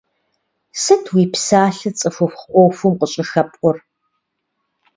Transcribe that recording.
Сыт уи псалъэ цӀыхухъу Ӏуэхум къыщӀыхэпӀур?